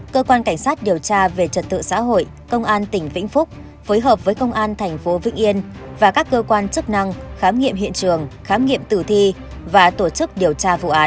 cơ quan cảnh sát điều tra về trật tự xã hội công an tỉnh vĩnh phúc phối hợp với công an tp vĩnh yên và các cơ quan chức năng khám nghiệm hiện trường khám nghiệm tử thi và tổ chức điều tra vụ án